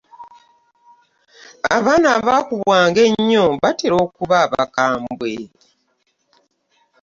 Abaana abaakubwanga ennyo batera okuba abakambwe.